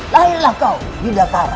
lahirlah kau yudhakara